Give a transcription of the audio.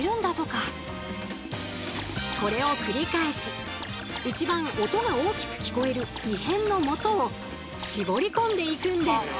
これを繰り返し一番音が大きく聞こえる異変のもとを絞り込んでいくんです。